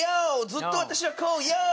「ずっと私はこうよー！」